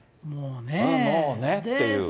もうねっていう。